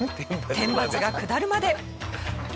天罰が下るまで。